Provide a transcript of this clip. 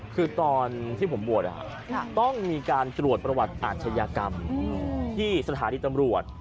คือตอนที่ผมบวชต้องมีการตรวจประวัติอาชญากรรมที่สถานีตำรวจ